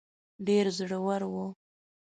ډېر زړه ور وو.